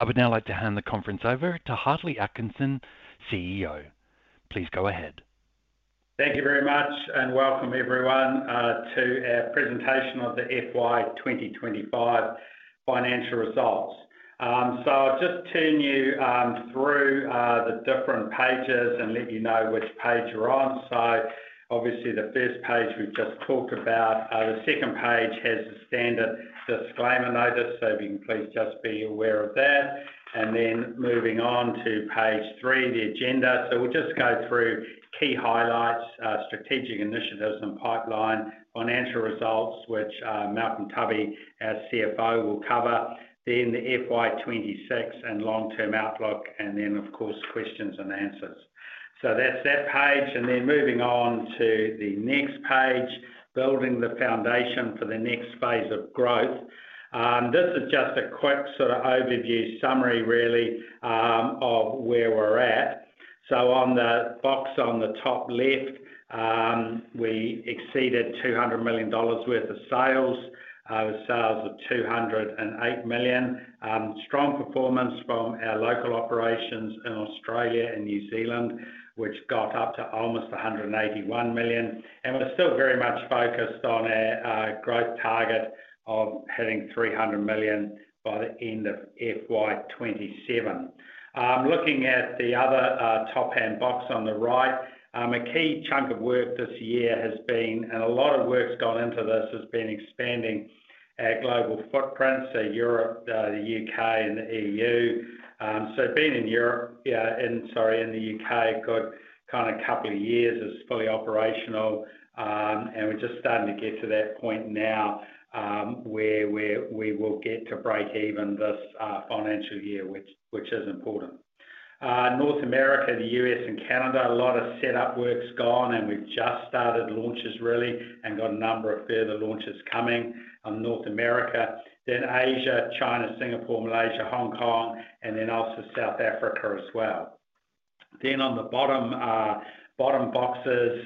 I would now like to hand the conference over to Hartley Atkinson, CEO. Please go ahead. Thank you very much, and welcome everyone to our presentation of the FY 2025 financial results. I'll just turn you through the different pages and let you know which page you're on. Obviously, the first page we've just talked about. The second page has the standard disclaimer notice, so please just be aware of that. Moving on to page three, the agenda. We'll just go through key highlights, strategic initiatives, and pipeline financial results, which Malcolm Tubby, our CFO, will cover. Then the FY 2026 and long-term outlook, and then, of course, questions and answers. That's that page. Moving on to the next page, building the foundation for the next phase of growth. This is just a quick sort of overview summary, really, of where we're at. On the box on the top left, we exceeded 200 million dollars worth of sales, sales of 208 million. Strong performance from our local operations in Australia and New Zealand, which got up to almost 181 million. We are still very much focused on our growth target of hitting 300 million by the end of FY 2027. Looking at the other top hand box on the right, a key chunk of work this year has been, and a lot of work's gone into this, expanding our global footprint, so Europe, the U.K., and the EU. Being in Europe, sorry, in the U.K., a good kind of couple of years is fully operational. We are just starting to get to that point now where we will get to break even this financial year, which is important. North America, the U.S., and Canada, a lot of setup work's gone, and we've just started launches, really, and got a number of further launches coming on North America. Asia, China, Singapore, Malaysia, Hong Kong, and also South Africa as well. On the bottom boxes,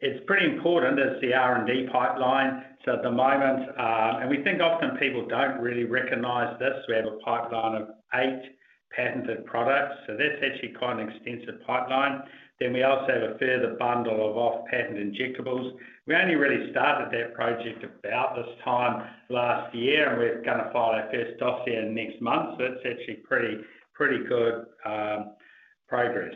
it's pretty important as the R&D pipeline. At the moment, and we think often people don't really recognize this, we have a pipeline of eight patented products. That's actually quite an extensive pipeline. We also have a further bundle of off-patent injectables. We only really started that project about this time last year, and we're going to file our first dossier next month. It's actually pretty good progress.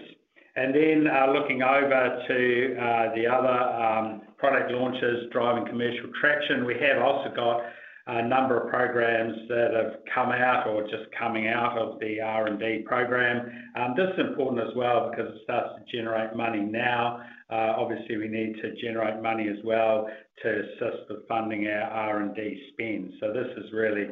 Looking over to the other product launches, driving commercial traction, we have also got a number of programs that have come out or just coming out of the R&D program. This is important as well because it starts to generate money now. Obviously, we need to generate money as well to assist with funding our R&D spend. This is really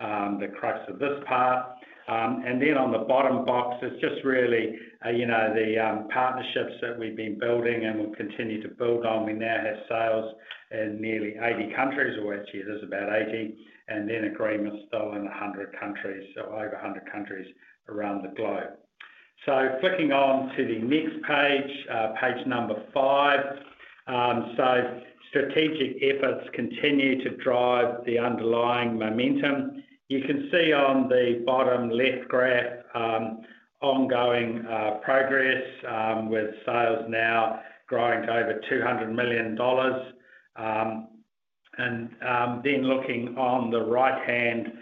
the crux of this part. On the bottom box, it is just really the partnerships that we have been building and will continue to build on. We now have sales in nearly 80 countries, or actually it is about 80, and agreements still in 100 countries, so over 100 countries around the globe. Flicking on to the next page, page number five. Strategic efforts continue to drive the underlying momentum. You can see on the bottom left graph ongoing progress with sales now growing to over NZD 200 million. Looking on the right-hand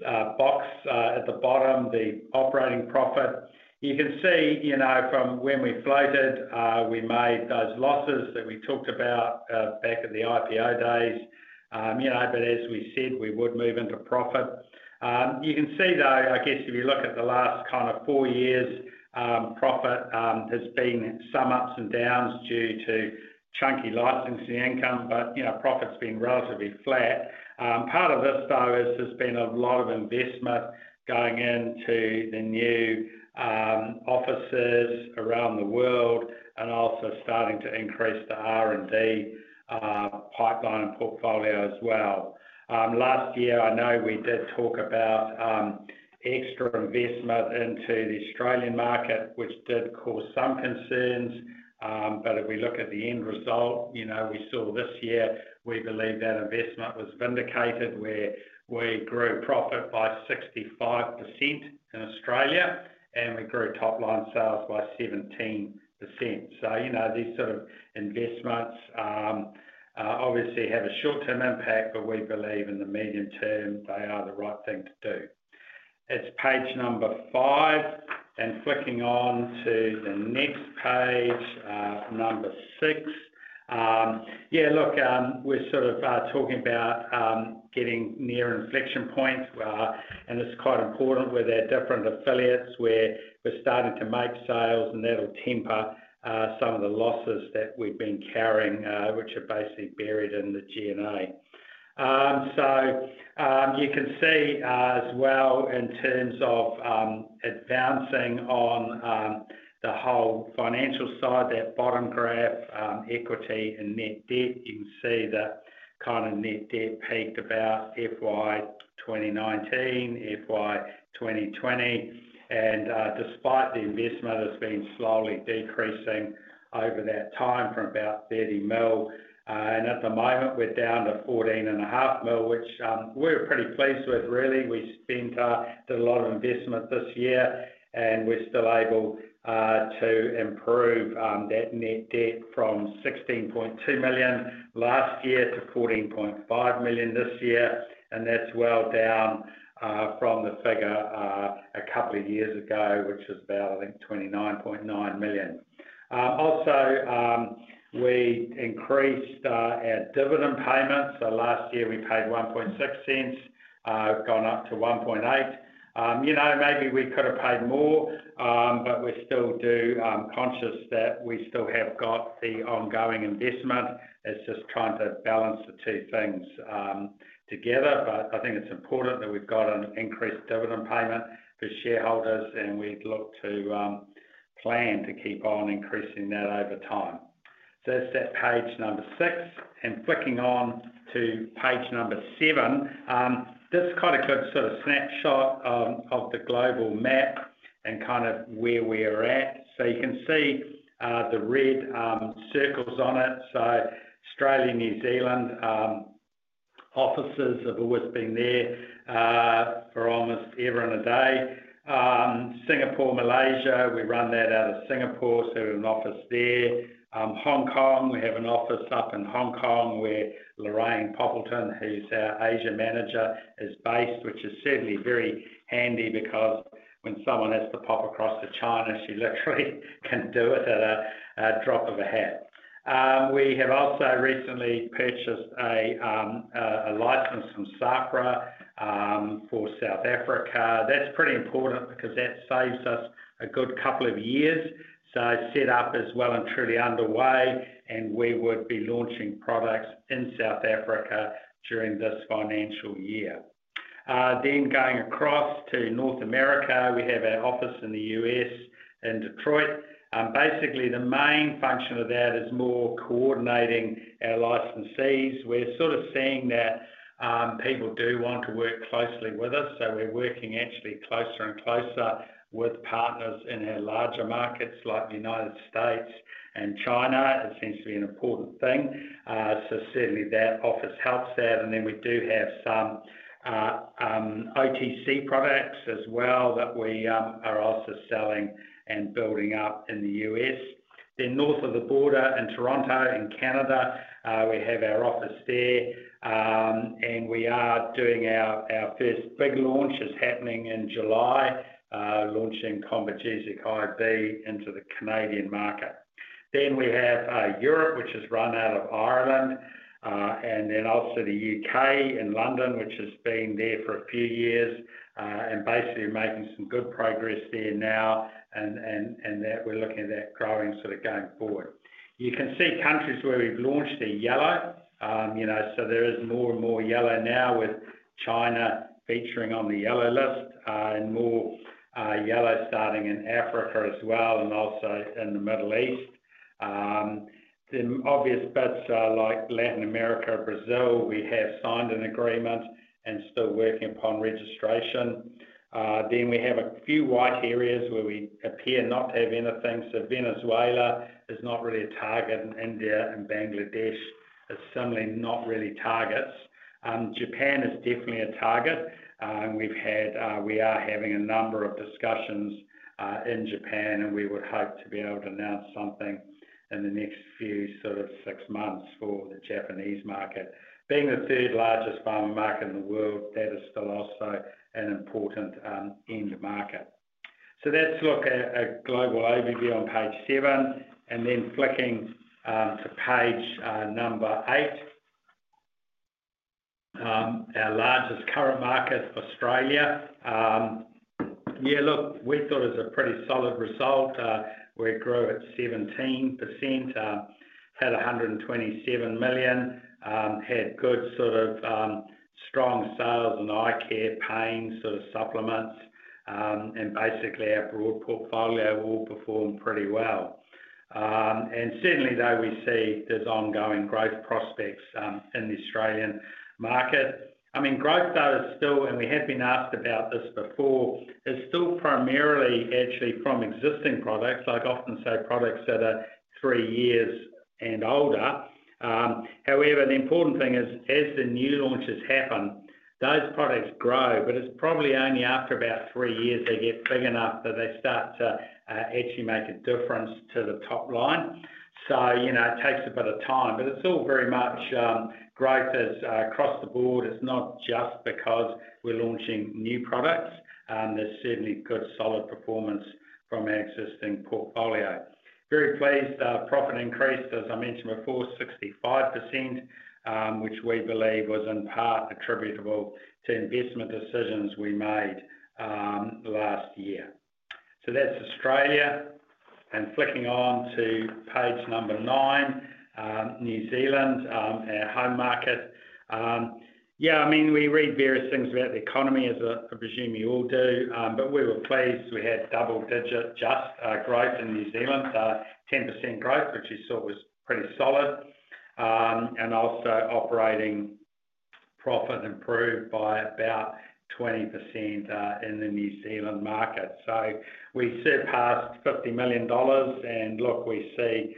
box at the bottom, the operating profit, you can see from when we floated, we made those losses that we talked about back at the IPO days. As we said, we would move into profit. You can see, though, I guess if you look at the last kind of four years, profit has been some ups and downs due to chunky licensing income, but profit's been relatively flat. Part of this, though, has been a lot of investment going into the new offices around the world and also starting to increase the R&D pipeline and portfolio as well. Last year, I know we did talk about extra investment into the Australian market, which did cause some concerns. If we look at the end result, we saw this year, we believe that investment was vindicated, where we grew profit by 65% in Australia, and we grew top-line sales by 17%. These sort of investments obviously have a short-term impact, but we believe in the medium term, they are the right thing to do. It's page number five. Flicking on to the next page, number six. Yeah, look, we're sort of talking about getting near inflection points, and it's quite important with our different affiliates where we're starting to make sales, and that'll temper some of the losses that we've been carrying, which are basically buried in the G&A. You can see as well in terms of advancing on the whole financial side, that bottom graph, equity and net debt, you can see that kind of net debt peaked about FY 2019, FY 2020. Despite the investment, it's been slowly decreasing over that time for about 30 million. At the moment, we're down to 14.5 million, which we're pretty pleased with, really. We spent a lot of investment this year, and we're still able to improve that net debt from 16.2 million last year to 14.5 million this year. That's well down from the figure a couple of years ago, which was about, I think, 29.9 million. Also, we increased our dividend payments. Last year, we paid 0.016, gone up to 0.018. Maybe we could have paid more, but we still do conscious that we still have got the ongoing investment. It's just trying to balance the two things together. I think it's important that we've got an increased dividend payment for shareholders, and we'd look to plan to keep on increasing that over time. That's page number six. Flicking on to page number seven, this is quite a good sort of snapshot of the global map and kind of where we are at. You can see the red circles on it. Australia, New Zealand, offices have always been there for almost every day. Singapore, Malaysia, we run that out of Singapore, so we have an office there. Hong Kong, we have an office up in Hong Kong where Lorraine Poppleton, who's our Asia manager, is based, which is certainly very handy because when someone has to pop across to China, she literally can do it at a drop of a hat. We have also recently purchased a license from Sanofi for South Africa. That's pretty important because that saves us a good couple of years. Setup is well and truly underway, and we would be launching products in South Africa during this financial year. Going across to North America, we have our office in the U.S. in Detroit. Basically, the main function of that is more coordinating our licensees. We're sort of seeing that people do want to work closely with us. We're working actually closer and closer with partners in our larger markets like the United States and China. It seems to be an important thing. Certainly, that office helps that. We do have some OTC products as well that we are also selling and building up in the U.S. North of the border in Toronto, in Canada, we have our office there. We are doing our first big launch, which is happening in July, launching Combogesic IV into the Canadian market. We have Europe, which is run out of Ireland. Also, the U.K. in London, which has been there for a few years and basically making some good progress there now. We're looking at that growing sort of going forward. You can see countries where we've launched are yellow. There is more and more yellow now with China featuring on the yellow list and more yellow starting in Africa as well and also in the Middle East. The obvious bits are like Latin America, Brazil. We have signed an agreement and still working upon registration. We have a few white areas where we appear not to have anything. Venezuela is not really a target, and India and Bangladesh are certainly not really targets. Japan is definitely a target. We are having a number of discussions in Japan, and we would hope to be able to announce something in the next few sort of six months for the Japanese market. Being the third largest pharma market in the world, that is still also an important end market. That is a look at a global overview on page seven. Flicking to page number eight, our largest current market, Australia. Yeah, look, we thought it was a pretty solid result. We grew at 17%, had 127 million, had good sort of strong sales in eye care, pain sort of supplements, and basically our broad portfolio all performed pretty well. Certainly, though, we see there are ongoing growth prospects in the Australian market. I mean, growth data is still, and we have been asked about this before, is still primarily actually from existing products. I'd often say products that are three years and older. However, the important thing is, as the new launches happen, those products grow, but it's probably only after about three years they get big enough that they start to actually make a difference to the top line. It takes a bit of time, but it's all very much growth across the board. It's not just because we're launching new products. There's certainly good solid performance from our existing portfolio. Very pleased, profit increased, as I mentioned before, 65%, which we believe was in part attributable to investment decisions we made last year. That's Australia. Flicking on to page number nine, New Zealand, our home market. Yeah, I mean, we read various things about the economy, as I presume you all do, but we were pleased. We had double-digit growth in New Zealand, 10% growth, which we thought was pretty solid. Also, operating profit improved by about 20% in the New Zealand market. We surpassed 50 million dollars. Look, we see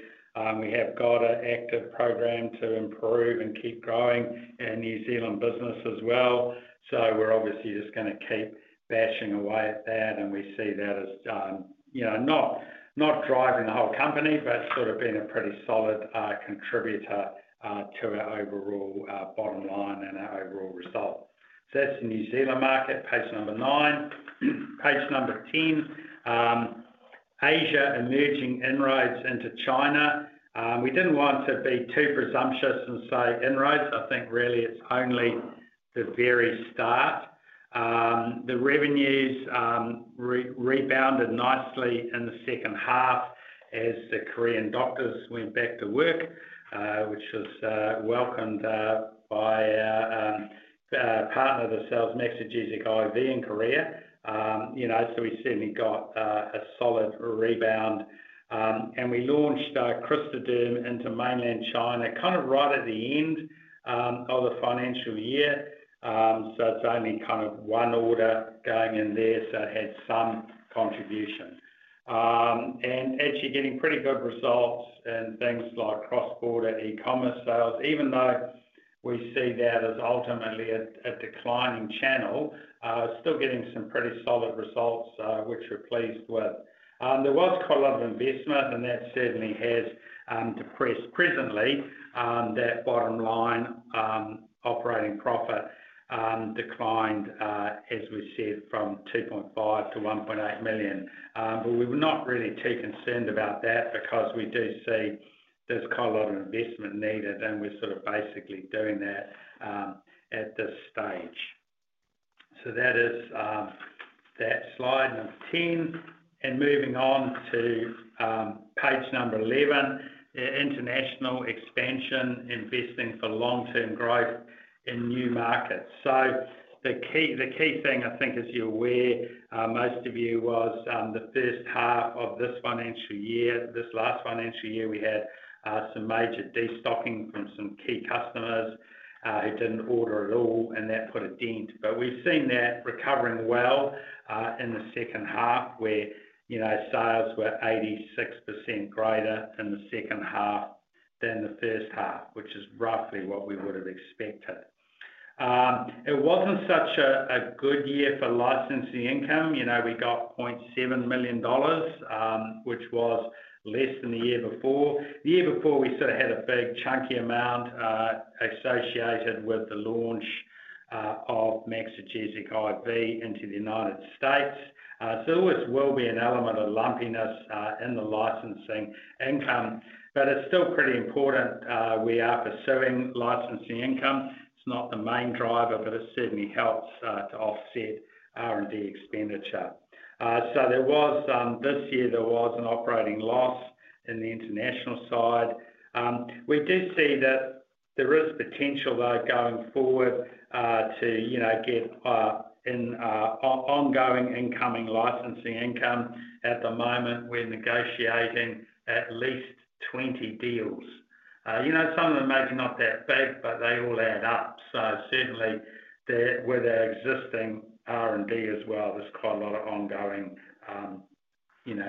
we have got an active program to improve and keep growing the New Zealand business as well. We are obviously just going to keep bashing away at that. We see that as not driving the whole company, but sort of being a pretty solid contributor to our overall bottom line and our overall result. That is the New Zealand market, page number nine. Page number ten, Asia emerging inroads into China. We did not want to be too presumptuous and say inroads. I think really it is only the very start. The revenues rebounded nicely in the second half as the Korean doctors went back to work, which was welcomed by our partner, the sales of Maxigesic IV in Korea. We certainly got a solid rebound. We launched Crystaderm into mainland China kind of right at the end of the financial year. It is only kind of one order going in there. It had some contribution. Actually getting pretty good results in things like cross-border e-commerce sales, even though we see that as ultimately a declining channel, still getting some pretty solid results, which we are pleased with. There was quite a lot of investment, and that certainly has depressed presently that bottom line operating profit declined, as we said, from 2.5 million to 1.8 million. We were not really too concerned about that because we do see there's quite a lot of investment needed, and we're sort of basically doing that at this stage. That is that slide number 10. Moving on to page number 11, international expansion investing for long-term growth in new markets. The key thing, I think, as you're aware, most of you, was the first half of this financial year. This last financial year, we had some major destocking from some key customers who did not order at all, and that put a dent. We have seen that recovering well in the second half, where sales were 86% greater in the second half than the first half, which is roughly what we would have expected. It was not such a good year for licensing income. We got 0.7 million dollars, which was less than the year before. The year before, we sort of had a big chunky amount associated with the launch of Maxigesic IV into the United States. There always will be an element of lumpiness in the licensing income, but it's still pretty important. We are pursuing licensing income. It's not the main driver, but it certainly helps to offset R&D expenditure. This year, there was an operating loss in the international side. We do see that there is potential, though, going forward to get ongoing incoming licensing income. At the moment, we're negotiating at least 20 deals. Some of them may be not that big, but they all add up. Certainly, with our existing R&D as well, there's quite a lot of ongoing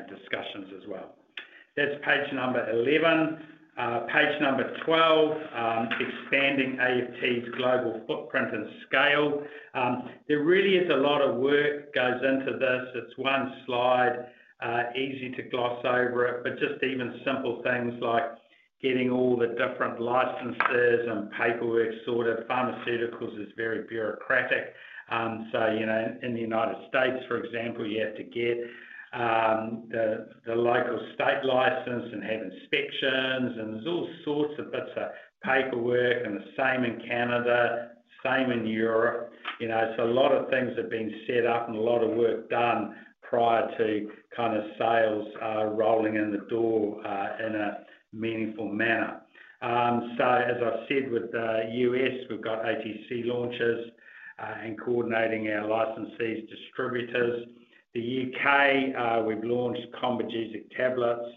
discussions as well. That's page number 11. Page number 12, expanding AFT's global footprint and scale. There really is a lot of work that goes into this. It's one slide, easy to gloss over it, but just even simple things like getting all the different licenses and paperwork sorted. Pharmaceuticals is very bureaucratic. In the U.S., for example, you have to get the local state license and have inspections, and there's all sorts of bits of paperwork. The same in Canada, same in Europe. A lot of things have been set up and a lot of work done prior to kind of sales rolling in the door in a meaningful manner. As I've said, with the U.S., we've got ATC launches and coordinating our licensees' distributors. The U.K., we've launched Combogesic Tablets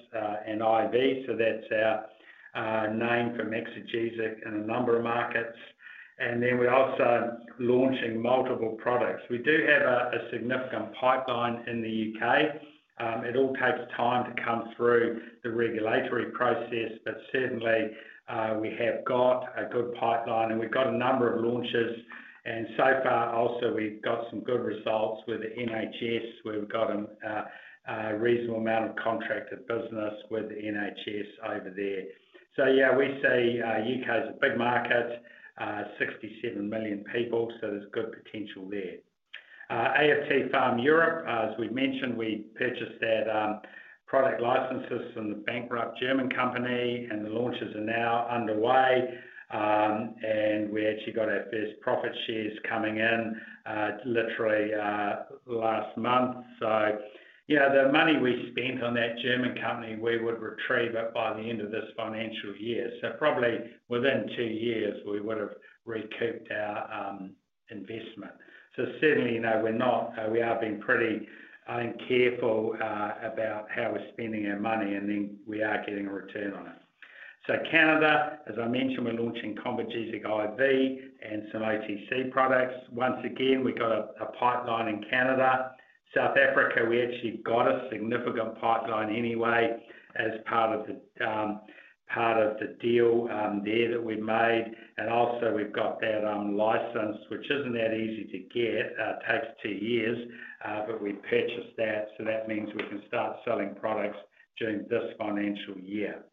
and IV. That's our name for Maxigesic in a number of markets. We're also launching multiple products. We do have a significant pipeline in the U.K. It all takes time to come through the regulatory process, but certainly, we have got a good pipeline, and we've got a number of launches. Also, we've got some good results with the NHS, where we've got a reasonable amount of contracted business with the NHS over there. We say U.K. is a big market, 67 million people, so there's good potential there. AFT Pharmaceuticals Europe, as we mentioned, we purchased their product licenses from the bankrupt German company, and the launches are now underway. We actually got our first profit shares coming in literally last month. The money we spent on that German company, we would retrieve it by the end of this financial year. Probably within two years, we would have recouped our investment. Certainly, we are being pretty, I think, careful about how we're spending our money, and then we are getting a return on it. Canada, as I mentioned, we're launching Combogesic IV and some OTC products. Once again, we've got a pipeline in Canada. South Africa, we actually got a significant pipeline anyway as part of the deal there that we made. Also, we've got that license, which isn't that easy to get. It takes two years, but we purchased that. That means we can start selling products during this financial year.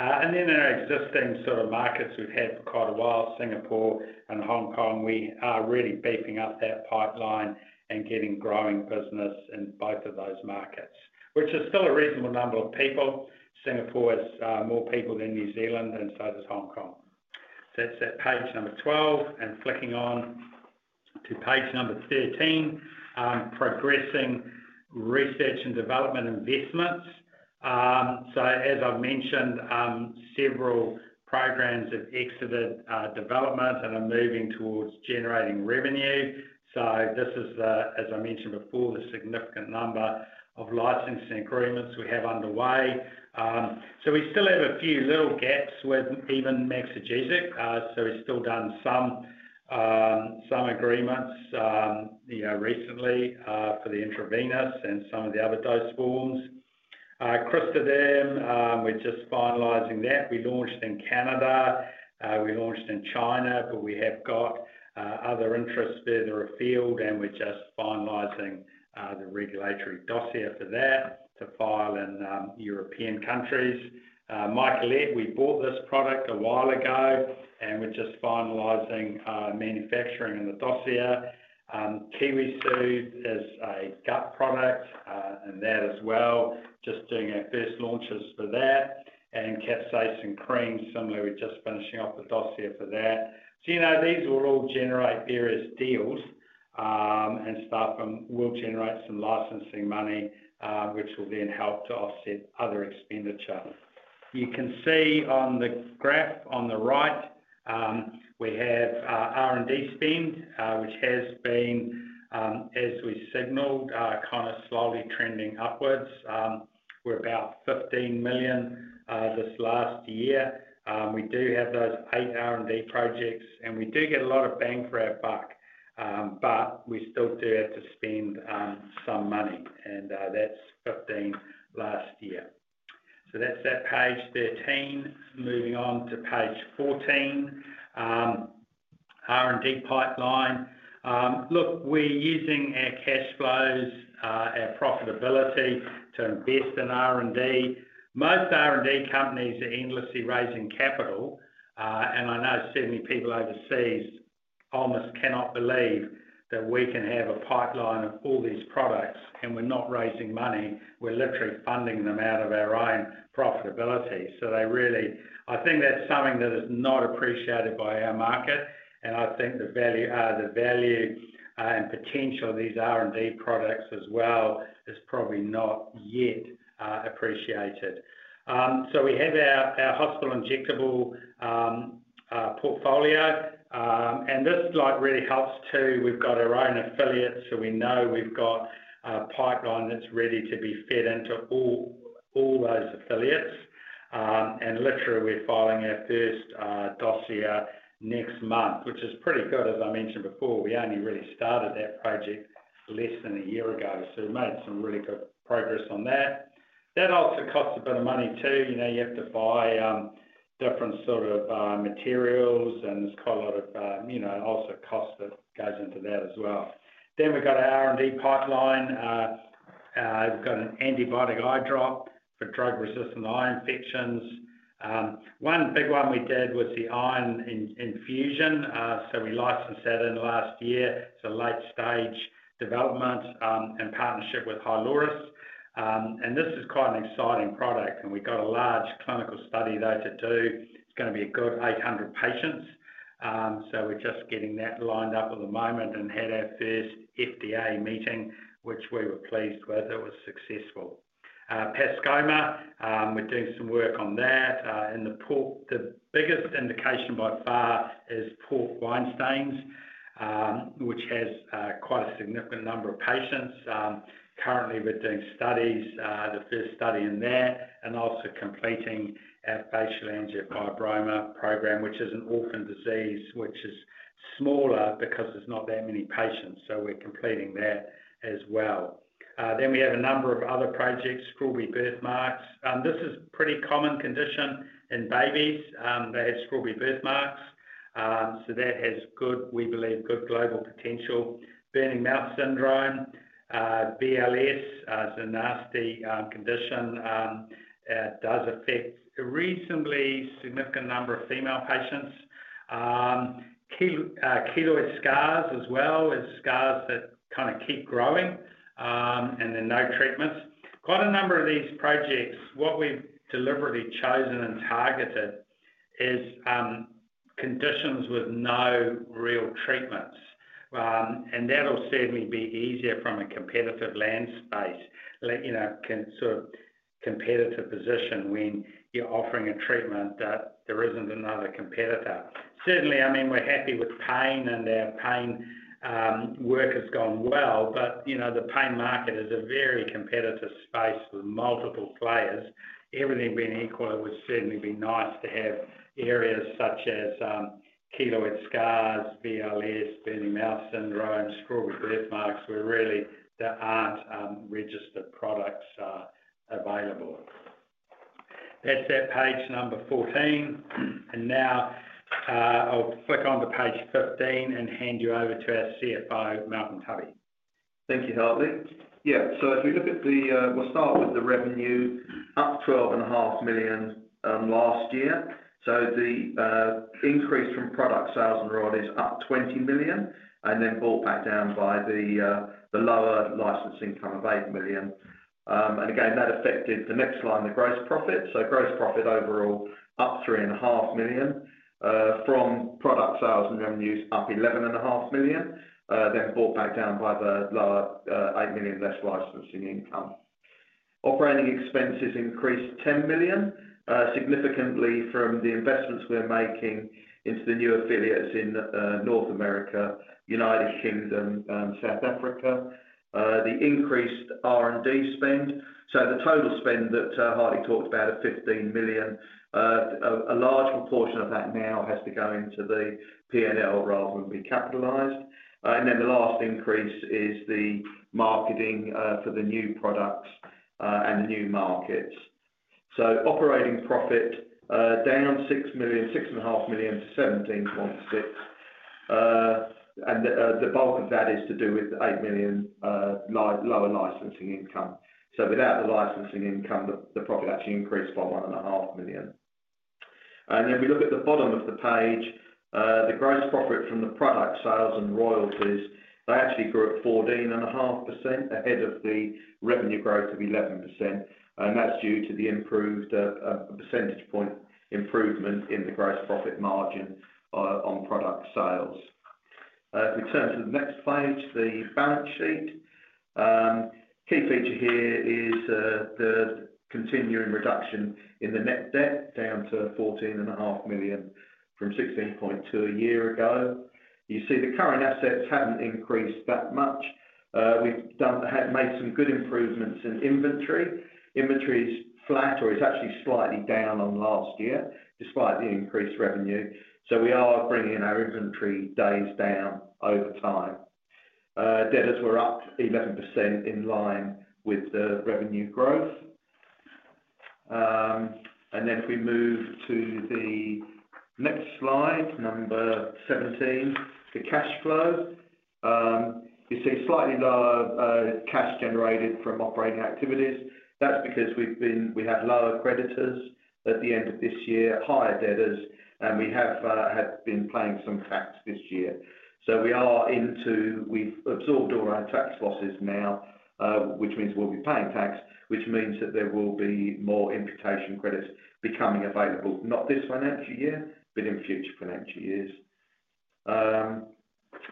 In our existing sort of markets we've had for quite a while, Singapore and Hong Kong, we are really beefing up that pipeline and getting growing business in both of those markets, which is still a reasonable number of people. Singapore has more people than New Zealand, and so does Hong Kong. That's page number 12. Flicking on to page number 13, progressing research and development investments. As I've mentioned, several programs have exited development and are moving towards generating revenue. This is, as I mentioned before, the significant number of licensing agreements we have underway. We still have a few little gaps with even Maxigesic. We've still done some agreements recently for the intravenous and some of the other dose forms. Crystaderm, we're just finalizing that. We launched in Canada. We launched in China, but we have got other interests further afield, and we're just finalizing the regulatory dossier for that to file in European countries. Mycolite, we bought this product a while ago, and we're just finalizing manufacturing and the dossier. Kiwisoothe is a gut product and that as well, just doing our first launches for that. Capsaicin Cream, similarly, we're just finishing off the dossier for that. These will all generate various deals, and Stuart will generate some licensing money, which will then help to offset other expenditure. You can see on the graph on the right, we have R&D spend, which has been, as we signaled, kind of slowly trending upwards. We're about 15 million this last year. We do have those eight R&D projects, and we do get a lot of bang for our buck, but we still do have to spend some money, and that's 15 million last year. That's page 13. Moving on to page 14, R&D pipeline. Look, we're using our cash flows, our profitability to invest in R&D. Most R&D companies are endlessly raising capital, and I know certainly people overseas almost cannot believe that we can have a pipeline of all these products, and we're not raising money. We're literally funding them out of our own profitability. I think that's something that is not appreciated by our market, and I think the value and potential of these R&D products as well is probably not yet appreciated. We have our hospital injectable portfolio, and this really helps too. We've got our own affiliates, so we know we've got a pipeline that's ready to be fed into all those affiliates. Literally, we're filing our first dossier next month, which is pretty good. As I mentioned before, we only really started that project less than a year ago, so we made some really good progress on that. That also costs a bit of money too. You have to buy different sort of materials, and there's quite a lot of also cost that goes into that as well. Then we've got our R&D pipeline. We've got an antibiotic eye drop for drug-resistant eye infections. One big one we did was the iron infusion, so we licensed that in last year. It's a late-stage development in partnership with Hyloris. This is quite an exciting product, and we've got a large clinical study there to do. It's going to be a good 800 patients. We're just getting that lined up at the moment and had our first FDA meeting, which we were pleased with. It was successful. Plazomacin, we're doing some work on that. The biggest indication by far is port wine stains, which has quite a significant number of patients. Currently, we're doing studies, the first study in that, and also completing our facial angiofibroma program, which is an orphan disease, which is smaller because there's not that many patients. We're completing that as well. We have a number of other projects, Strawberry birthmarks. This is a pretty common condition in babies. They have Strawberry birthmarks, so that has, we believe, good global potential. Burning mouth syndrome, BMS, is a nasty condition. It does affect a reasonably significant number of female patients. Keloid scars as well are scars that kind of keep growing, and there are no treatments. Quite a number of these projects, what we've deliberately chosen and targeted is conditions with no real treatments, and that'll certainly be easier from a competitive land space, sort of competitive position when you're offering a treatment that there isn't another competitor. Certainly, I mean, we're happy with pain, and our pain work has gone well, but the pain market is a very competitive space with multiple players. Everything being equal, it would certainly be nice to have areas such as keloid scars, BMS, burning mouth syndrome, Strawberry birthmarks, where really there aren't registered products available. That's page number 14. Now I'll flick on to page 15 and hand you over to our CFO, Malcolm Tubby. Thank you, Hartley. Yeah. As we look at the, we'll start with the revenue, up 12.5 million last year. The increase from product sales and ROI is up 20 million and then brought back down by the lower licensing, kind of 8 million. That affected the next line, the gross profit. Gross profit overall, up 3.5 million from product sales and revenues, up 11.5 million then brought back down by the lower 8 million less licensing income. Operating expenses increased 10 million, significantly from the investments we are making into the new affiliates in North America, U.K., and South Africa. The increased R&D spend, so the total spend that Hartley talked about of 15 million, a large proportion of that now has to go into the P&L rather than be capitalized. The last increase is the marketing for the new products and the new markets. Operating profit down 6 million-6.5 million to 17.6 million. The bulk of that is to do with the 8 million lower licensing income. Without the licensing income, the profit actually increased by 1.5 million. If we look at the bottom of the page, the gross profit from the product sales and royalties, they actually grew at 14.5% ahead of the revenue growth of 11%. That is due to the improved percentage point improvement in the gross profit margin on product sales. If we turn to the next page, the balance sheet. Key feature here is the continuing reduction in the net debt down to 14.5 million from 16.2 million a year ago. You see the current assets have not increased that much. We have made some good improvements in inventory. Inventory is flat or is actually slightly down on last year despite the increased revenue. We are bringing our inventory days down over time. Debtors were up 11% in line with the revenue growth. If we move to the next slide, number 17, the cash flow. You see slightly lower cash generated from operating activities. That's because we have lower creditors at the end of this year, higher debtors, and we have been paying some tax this year. We are into we've absorbed all our tax losses now, which means we'll be paying tax, which means that there will be more imputation credits becoming available, not this financial year, but in future financial years.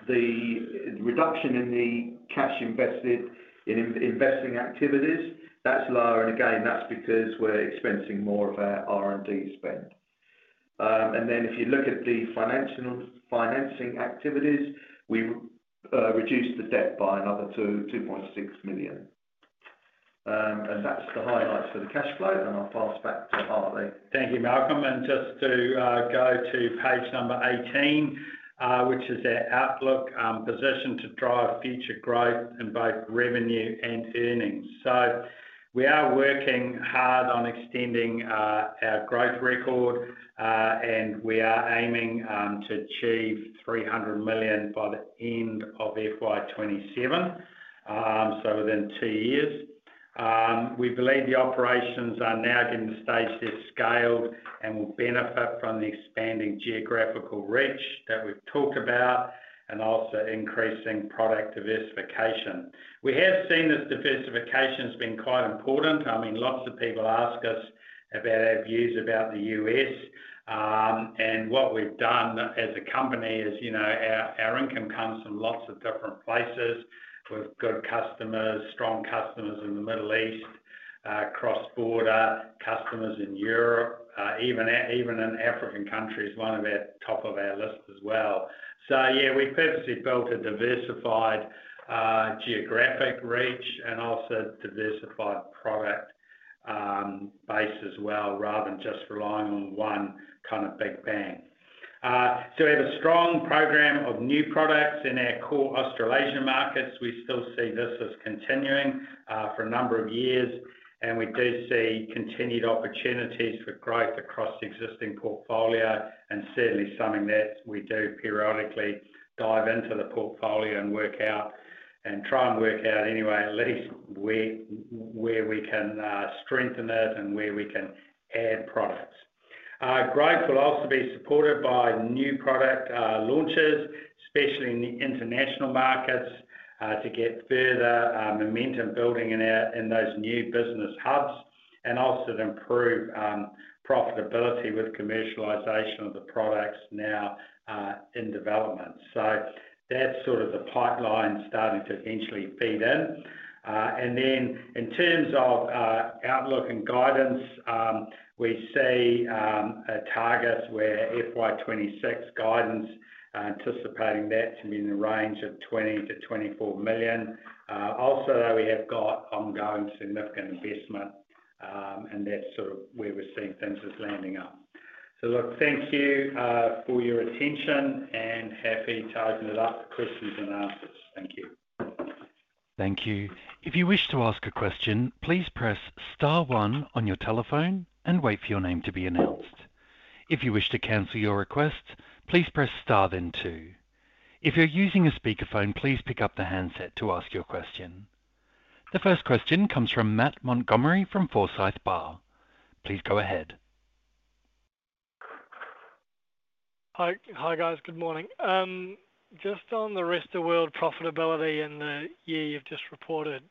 The reduction in the cash invested in investing activities, that's lower. Again, that's because we're expensing more of our R&D spend. If you look at the financing activities, we reduced the debt by another 2.6 million. That's the highlights for the cash flow. I'll pass back to Hartley. Thank you, Malcolm. Just to go to page number 18, which is our outlook position to drive future growth in both revenue and earnings. We are working hard on extending our growth record, and we are aiming to achieve 300 million by the end of FY 2027, so within two years. We believe the operations are now getting to the stage they're scaled and will benefit from the expanding geographical reach that we've talked about and also increasing product diversification. We have seen this diversification has been quite important. I mean, lots of people ask us about our views about the US. What we've done as a company is our income comes from lots of different places. We've got customers, strong customers in the Middle East, cross-border customers in Europe, even in African countries, one of our top of our list as well. Yeah, we've purposely built a diversified geographic reach and also diversified product base as well rather than just relying on one kind of big bang. We have a strong program of new products in our core Australasian markets. We still see this as continuing for a number of years, and we do see continued opportunities for growth across existing portfolio. Certainly something that we do periodically, dive into the portfolio and work out and try and work out anyway, at least where we can strengthen it and where we can add products. Growth will also be supported by new product launches, especially in the international markets, to get further momentum building in those new business hubs and also to improve profitability with commercialization of the products now in development. That's sort of the pipeline starting to eventually feed in. In terms of outlook and guidance, we see targets where FY 2026 guidance anticipating that to be in the range of 20 million-24 million. Also, we have got ongoing significant investment, and that is sort of where we are seeing things as landing up. Thank you for your attention and happy to open it up for questions and answers. Thank you. Thank you. If you wish to ask a question, please press star one on your telephone and wait for your name to be announced. If you wish to cancel your request, please press star then two. If you're using a speakerphone, please pick up the handset to ask your question. The first question comes from Matt Montgomery from Forsyth Barr. Please go ahead. Hi, guys. Good morning. Just on the rest of world profitability in the year you've just reported,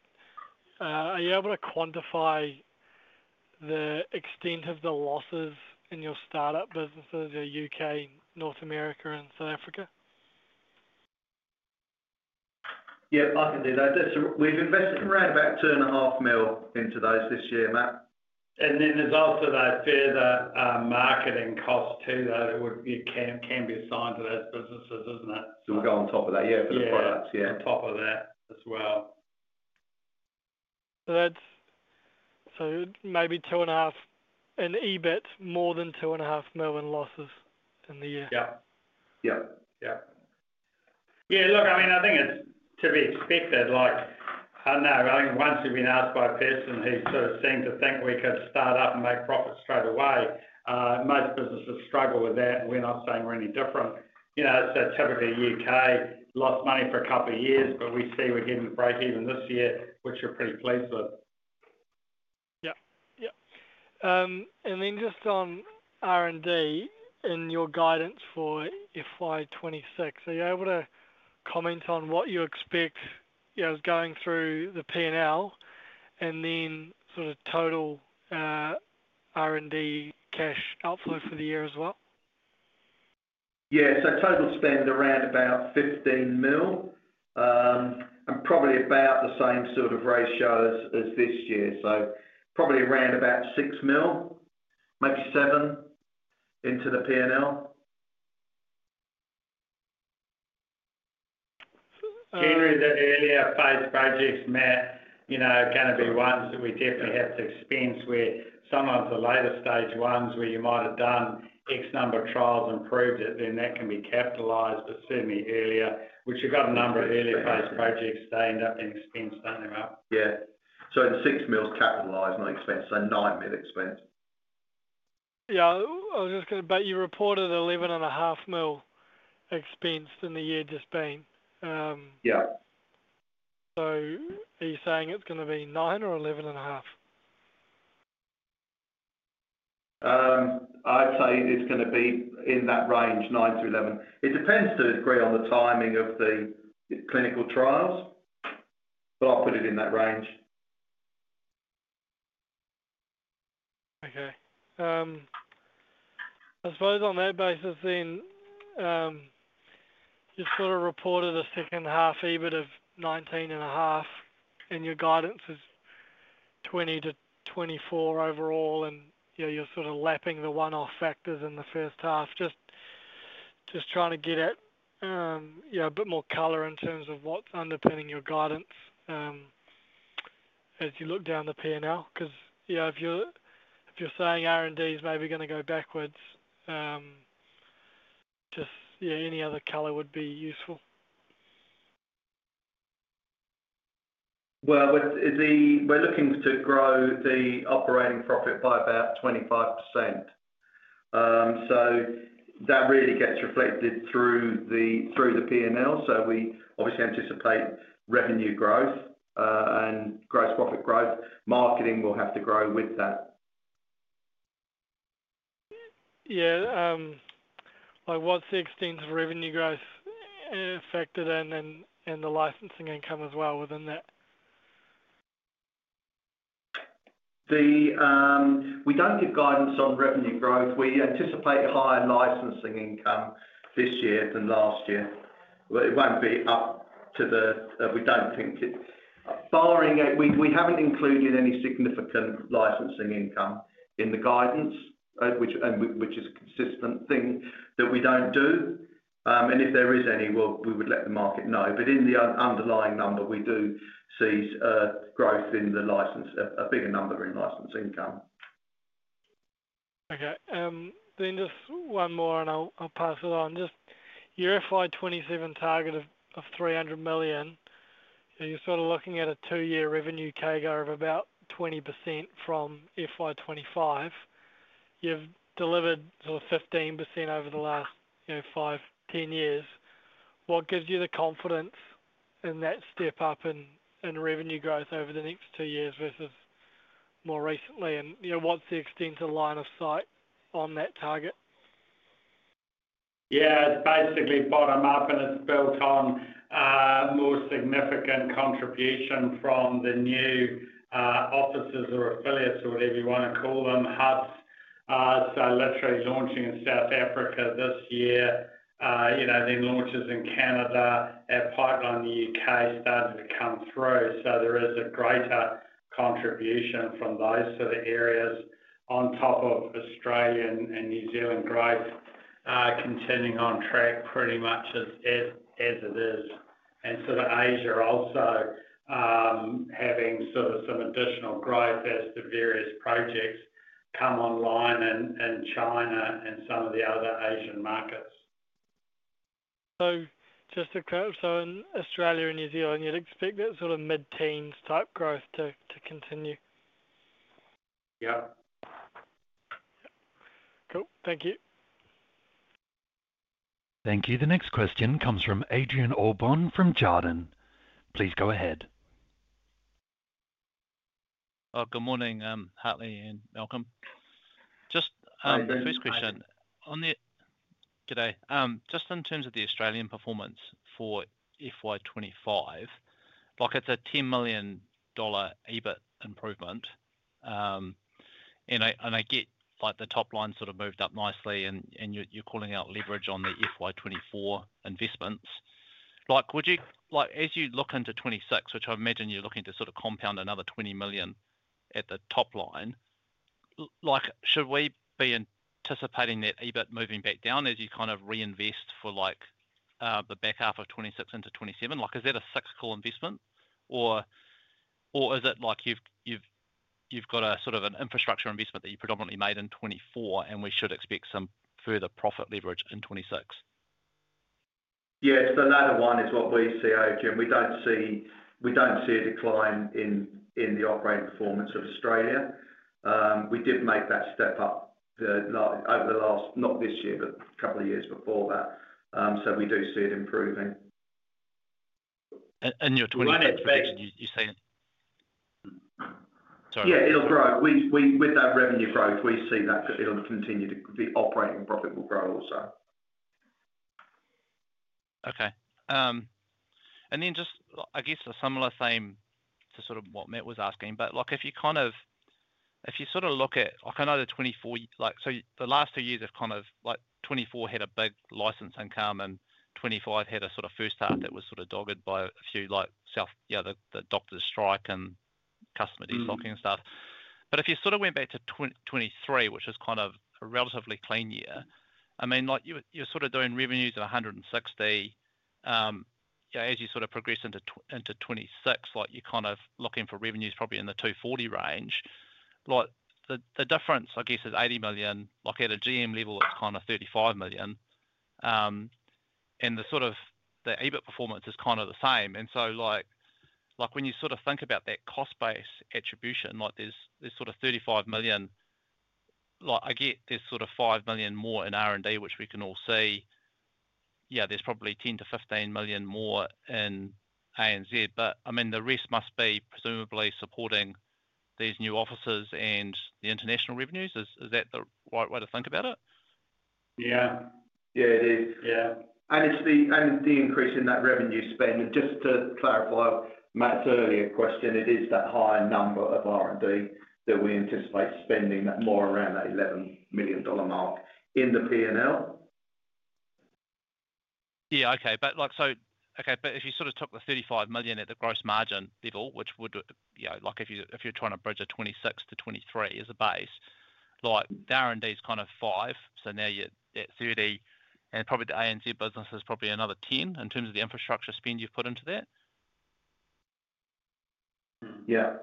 are you able to quantify the extent of the losses in your startup businesses, your U.K., North America, and South Africa? Yeah, I can do that. We've invested around about 2.5 million into those this year, Mal. And then there's also those further marketing costs too that can be assigned to those businesses, isn't it? We've got on top of that, yeah, for the products Yeah, on top of that as well. Maybe two and a half, in EBIT, more than 2.5 million losses in the year. Yep. Yep. Yep. Yeah, look, I mean, I think it's to be expected. I know. I mean, once we've been asked by a person who sort of seemed to think we could start up and make profits straight away, most businesses struggle with that, and we're not saying we're any different. Typically, U.K. lost money for a couple of years, but we see we're getting to break even this year, which we're pretty pleased with. Yep. Yep. And then just on R&D and your guidance for FY 2026, are you able to comment on what you expect as going through the P&L and then sort of total R&D cash outflow for the year as well? Yeah. Total spend around about 15 million and probably about the same sort of ratios as this year. Probably around about 6 million, maybe 7 million into the P&L. Generally, the earlier phase projects, Matt, are going to be ones that we definitely have to expense where some of the later stage ones where you might have done X number of trials and proved it, then that can be capitalized. Certainly earlier, which you've got a number of earlier phase projects, they end up being expensed, don't they, Mal? Yeah. In 6 million capitalized, not expensed. 9 million expensed. Yeah. I was just going to bet you reported 11.5 million expensed in the year just being. Are you saying it's going to be 9 million or 11.5 million? I'd say it's going to be in that range, 9-11. It depends to a degree on the timing of the clinical trials, but I'll put it in that range. Okay. I suppose on that basis then, you sort of reported a second half EBIT of 19.5 million, and your guidance is 20 million-24 million overall, and you're sort of lapping the one-off factors in the first half. Just trying to get a bit more color in terms of what's underpinning your guidance as you look down the P&L because if you're saying R&D is maybe going to go backwards, just any other color would be useful. We are looking to grow the operating profit by about 25%. That really gets reflected through the P&L. We obviously anticipate revenue growth and gross profit growth. Marketing will have to grow with that. Yeah. What's the extent of revenue growth affected and the licensing income as well within that? We don't give guidance on revenue growth. We anticipate higher licensing income this year than last year. It won't be up to the, we don't think it's, barring, we haven't included any significant licensing income in the guidance, which is a consistent thing that we don't do. If there is any, we would let the market know. In the underlying number, we do see growth in the license, a bigger number in license income. Okay. Just one more, and I'll pass it on. Just your FY 2027 target of 300 million, you're sort of looking at a two-year revenue CAGR of about 20% from FY 2025. You've delivered sort of 15% over the last five, ten years. What gives you the confidence in that step up in revenue growth over the next two years versus more recently? What's the extent of line of sight on that target? Yeah. It's basically bottom up, and it's built on more significant contribution from the new offices or affiliates or whatever you want to call them, hubs. Literally launching in South Africa this year, then launches in Canada, a partner in the U.K. starting to come through. There is a greater contribution from those sort of areas on top of Australian and New Zealand growth continuing on track pretty much as it is. Asia also having some additional growth as the various projects come online in China and some of the other Asian markets. Just to clarify, in Australia and New Zealand, you'd expect that sort of mid-teens type growth to continue? Yep. Yep. Cool. Thank you. Thank you. The next question comes from Adrian Orbon from Jarden. Please go ahead. Good morning, Hartley and Malcolm. Just the first question. Hi, David. Good day. Just in terms of the Australian performance for FY 2025, it's a 10 million dollar EBIT improvement. I get the top line sort of moved up nicely, and you're calling out leverage on the FY 2024 investments. As you look into 2026, which I imagine you're looking to sort of compound another 20 million at the top line, should we be anticipating that EBIT moving back down as you kind of reinvest for the back half of 2026 into 2027? Is that a cyclical investment, or is it like you've got a sort of an infrastructure investment that you predominantly made in 2024, and we should expect some further profit leverage in 2026? Yeah. So that one is what we see, Adrian. We do not see a decline in the operating performance of Australia. We did make that step up over the last, not this year, but a couple of years before that. We do see it improving. Your 20. We won't expect it. You're saying it. Yeah. It'll grow. With that revenue growth, we see that it'll continue to be operating profit will grow also. Okay. And then just, I guess, a similar theme to sort of what Matt was asking, but if you kind of if you sort of look at I know the 2024, so the last two years of kind of 2024 had a big license income, and 2025 had a sort of first half that was sort of dogged by a few, yeah, the doctor's strike and customer de-locking stuff. If you sort of went back to 2023, which was kind of a relatively clean year, I mean, you're sort of doing revenues at 160 million. As you sort of progress into 2026, you're kind of looking for revenues probably in the 240 million range. The difference, I guess, is 80 million. At a GM level, it's kind of 35 million. And the sort of the EBIT performance is kind of the same. When you sort of think about that cost-based attribution, there is sort of 35 million. I get there is sort of 5 million more in R&D, which we can all see. Yeah, there is probably 10-15 million more in A and Z. I mean, the rest must be presumably supporting these new offices and the international revenues. Is that the right way to think about it? Yeah. Yeah, it is. Yeah. It is the increase in that revenue spend. Just to clarify Matt's earlier question, it is that higher number of R&D that we anticipate spending more around that 11 million dollar mark in the P&L. Yeah. Okay. Okay. If you sort of took the 35 million at the gross margin level, which would, if you're trying to bridge a 2026 to 2023 as a base, the R&D is kind of 5. Now you're at 30. Probably the A and Z business is probably another 10 in terms of the infrastructure spend you've put into that. Yeah.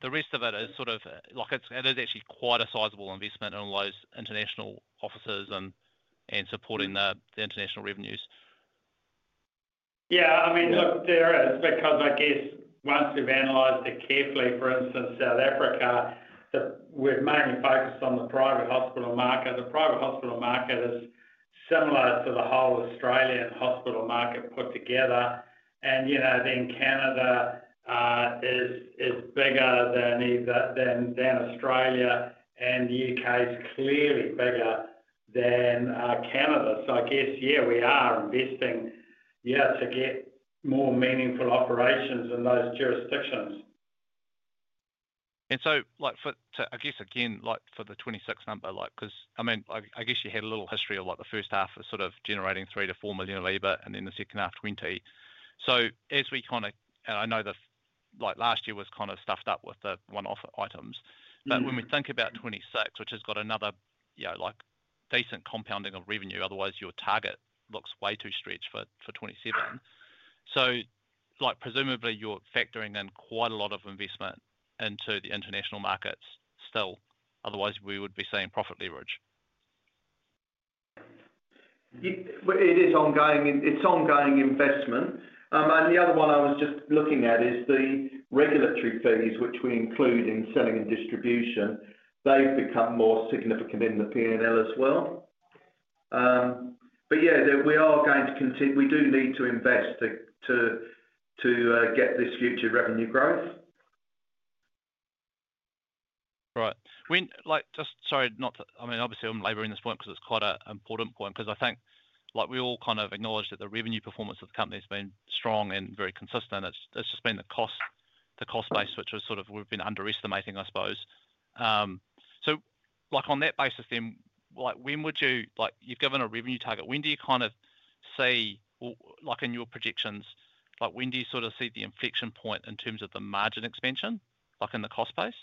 The rest of it is actually quite a sizable investment in all those international offices and supporting the international revenues. Yeah. I mean, look, there is because I guess once we've analyzed it carefully, for instance, South Africa, we've mainly focused on the private hospital market. The private hospital market is similar to the whole Australian hospital market put together. Then Canada is bigger than Australia, and the U.K. is clearly bigger than Canada. I guess, yeah, we are investing, yeah, to get more meaningful operations in those jurisdictions. I guess, again, for the 2026 number, because I mean, I guess you had a little history of the first half of sort of generating 3 million-4 million of EBIT, and then the second half, 20 million. As we kind of, and I know last year was kind of stuffed up with the one-off items. When we think about 2026, which has got another decent compounding of revenue, otherwise your target looks way too stretched for 2027. Presumably you're factoring in quite a lot of investment into the international markets still. Otherwise, we would be seeing profit leverage. It is ongoing. It is ongoing investment. The other one I was just looking at is the regulatory fees, which we include in selling and distribution. They have become more significant in the P&L as well. Yeah, we are going to continue, we do need to invest to get this future revenue growth. Right. Sorry. I mean, obviously, I'm laboring this point because it's quite an important point because I think we all kind of acknowledge that the revenue performance of the company has been strong and very consistent. It's just been the cost base, which we've been underestimating, I suppose. On that basis then, when would you—you've given a revenue target. When do you kind of see in your projections, when do you sort of see the inflection point in terms of the margin expansion in the cost base?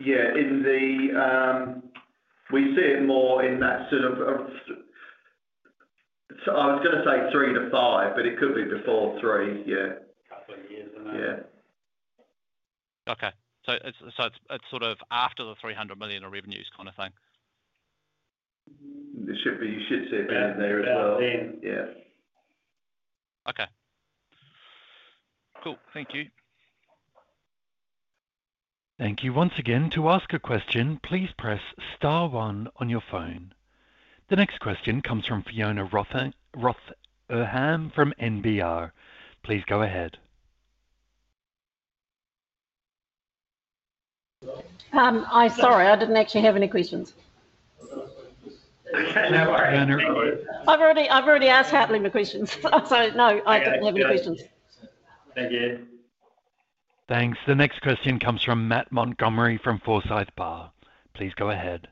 Yeah. We see it more in that sort of, I was going to say 3-5, but it could be before 3. Yeah. Couple of years, I know. Yeah. Okay. So it's sort of after the 300 million of revenues kind of thing. You should see it being there as well. Yeah. Okay. Cool. Thank you. Thank you once again. To ask a question, please press star one on your phone. The next question comes from Fiona Rotham from NBR. Please go ahead. Sorry. I didn't actually have any questions. No worries. I've already asked Hartley my questions. So no, I didn't have any questions. Thank you. Thanks. The next question comes from Matt Montgomerie from Forsyth Barr. Please go ahead.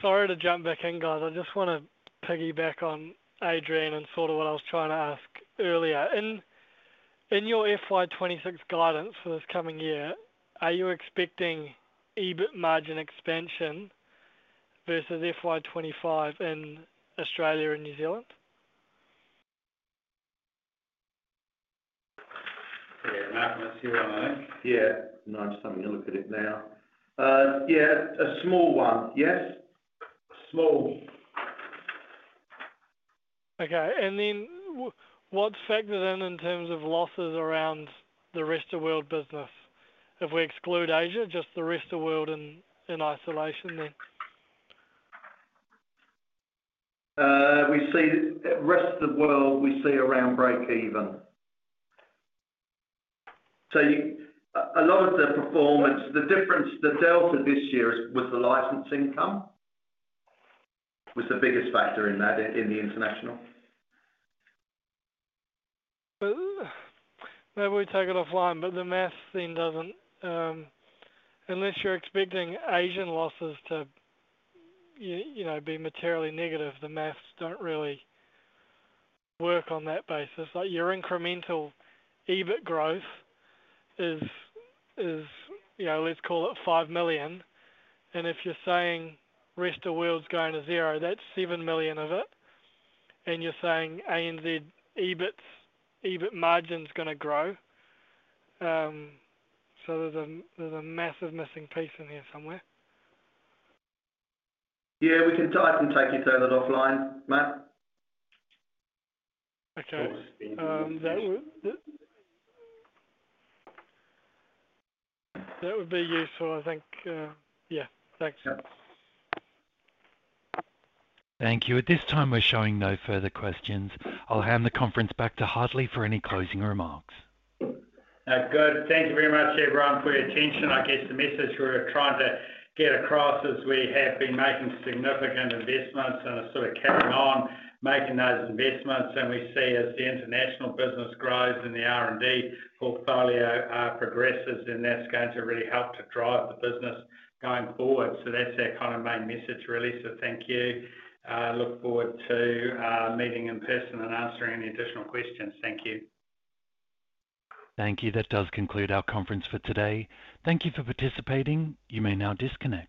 Sorry to jump back in, guys. I just want to piggyback on Adrian and sort of what I was trying to ask earlier. In your FY26 guidance for this coming year, are you expecting EBIT margin expansion versus FY25 in Australia and New Zealand? Yeah. Matt, let's see what I know. Yeah. No, I'm just having a look at it now. Yeah. A small one. Yes. Small. Okay. What is factored in in terms of losses around the rest of world business? If we exclude Asia, just the rest of world in isolation then? The rest of the world, we see around break-even. A lot of the performance, the difference, the delta this year was the license income was the biggest factor in that, in the international. Maybe we take it offline, but the maths then does not, unless you're expecting Asian losses to be materially negative, the maths do not really work on that basis. Your incremental EBIT growth is, let's call it 5 million. And if you're saying rest of world's going to zero, that's 7 million of it. And you're saying A and Z EBIT margin's going to grow. There is a massive missing piece in here somewhere. Yeah. We can type and take it further offline, Matt. Okay. That would be useful, I think. Yeah. Thanks. Thank you. At this time, we're showing no further questions. I'll hand the conference back to Hartley for any closing remarks. Good. Thank you very much, everyone, for your attention. I guess the message we're trying to get across is we have been making significant investments and are sort of carrying on making those investments. We see as the international business grows and the R&D portfolio progresses, and that's going to really help to drive the business going forward. That's our kind of main message, really. Thank you. Look forward to meeting in person and answering any additional questions. Thank you. Thank you. That does conclude our conference for today. Thank you for participating. You may now disconnect.